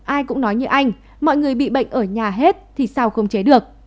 ai cũng nói như anh mọi người bị bệnh ở nhà hết thì sao không chế được